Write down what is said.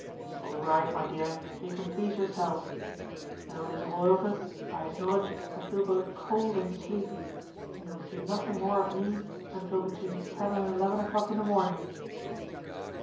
"All right, my dear, you can please yourself. Now it is all over I acknowledge I feel both cold and sleepy, and you will see nothing more of me until between ten and eleven o'clock in the morning."